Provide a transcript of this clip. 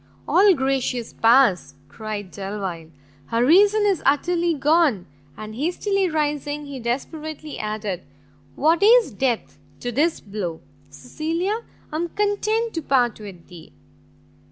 "All gracious powers!" cried Delvile, "her reason is utterly gone!" And, hastily rising, he desperately added, "what is death to this blow? Cecilia, I am content to part with thee!"